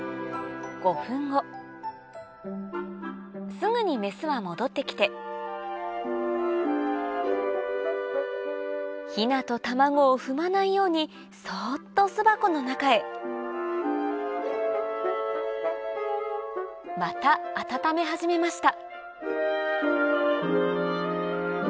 すぐにメスは戻ってきてヒナと卵を踏まないようにそっと巣箱の中へまた温め始めました